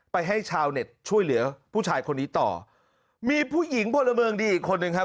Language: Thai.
ให้ชาวเน็ตช่วยเหลือผู้ชายคนนี้ต่อมีผู้หญิงพลเมืองดีอีกคนนึงครับ